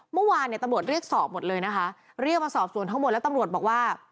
เมื่อวานเนี่ยตำรวจเรียกสอบหมดเลยนะคะเรียกมาสอบสวนทั้งหมดแล้วตำรวจบอกว่า